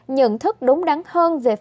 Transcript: nhận thức đúng đắn hơn về phòng chống dịch bệnh